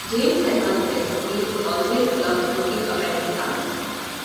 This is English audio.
James has confessed he has always loved looking up at the stars.